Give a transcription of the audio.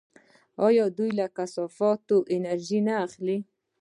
آیا دوی له کثافاتو انرژي نه اخلي؟